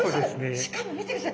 しかも見てください。